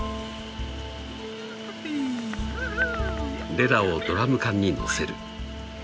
［レラをドラム缶にのせる］